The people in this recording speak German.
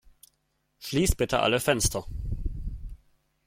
Schließ bitte alle Fenster!